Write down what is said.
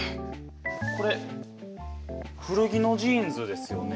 これ古着のジーンズですよね。